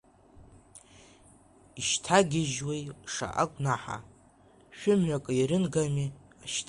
Ишьҭагьежьуеи шаҟа гәнаҳа, шәы-мҩакы ирынгами ишьҭа.